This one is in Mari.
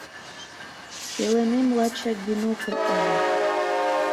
Пеленем лачак бинокль ыле.